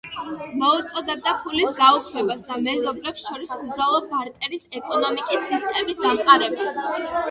მოუწოდებდა ფულის გაუქმებას და მეზობლებს შორის უბრალო ბარტერის ეკონომიკის სისტემის დამყარებას.